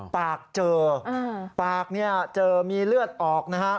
ปากเจอปากเนี่ยเจอมีเลือดออกนะฮะ